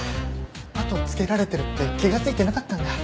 後つけられてるって気が付いてなかったんだ。